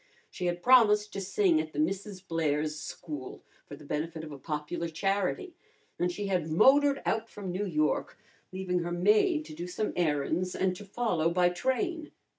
She had promised to sing at the Misses Blair's School for the benefit of a popular charity, and she had motored out from New York, leaving her maid to do some errands and to follow by train.